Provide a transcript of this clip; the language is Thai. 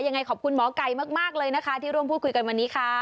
ยังไงขอบคุณหมอไก่มากเลยนะคะที่ร่วมพูดคุยกันวันนี้ค่ะ